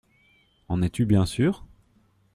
En es-tu bien sûr?